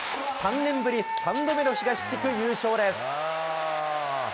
３年ぶり３度目の東地区優勝です。